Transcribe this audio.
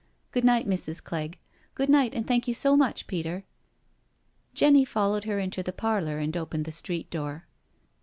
Good night, Mrs. Clegg. Good night and thank you so much, Peter." Jenny followed her into the parlour and opened the street door.